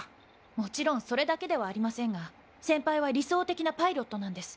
もちろんそれだけではありませんが先輩は理想的なパイロットなんです。